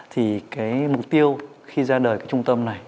thì cái mục tiêu khi ra đời cái trung tâm này